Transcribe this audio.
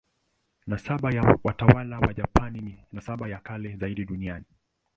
Nasaba ya watawala wa Japani ni nasaba ya kale zaidi duniani.